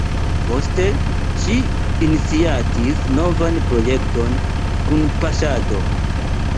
Poste ŝi iniciatis novan projekton Kunpaŝado.